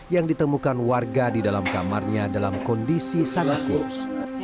yang ditemukan warga di dalam kamarnya dalam kondisi sangat kurus